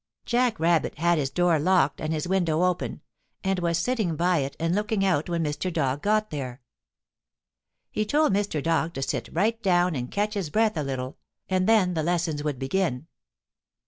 Jack Rabbit had his door locked and his window open, and was sitting by it and looking out when Mr. Dog got there. He told Mr. Dog to sit right down and catch his breath a little, and then the lessons would begin.